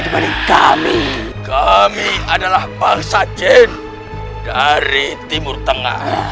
kepada kami kami adalah bangsa jin dari timur tengah